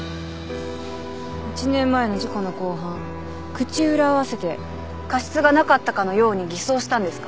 １年前の事故の公判口裏を合わせて過失がなかったかのように偽装したんですか。